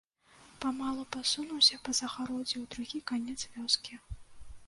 Памалу пасунуўся па загароддзі ў другі канец вёскі.